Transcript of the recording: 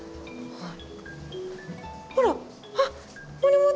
はい。